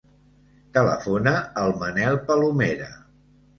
Telefona al Manel Palomera.